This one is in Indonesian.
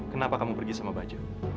kenapa kamu pergi sama bajo